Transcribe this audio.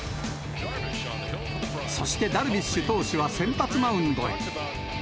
そして、ダルビッシュ投手は先発マウンドへ。